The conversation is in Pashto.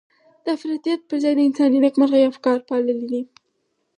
د افراطيت پر ځای د انساني نېکمرغۍ افکار پاللي دي.